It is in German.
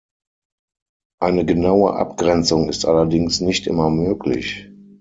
Eine genaue Abgrenzung ist allerdings nicht immer möglich.